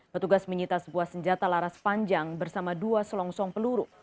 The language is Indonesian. petugas menyita sebuah senjata laras panjang bersama dua selongsong peluru